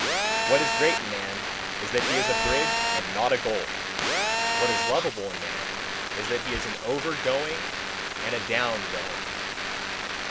What is great in man is that he is a bridge and not a goal: what is lovable in man is that he is an OVER GOING and a DOWN GOING.